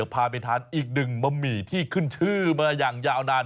พาไปทานอีกหนึ่งบะหมี่ที่ขึ้นชื่อมาอย่างยาวนาน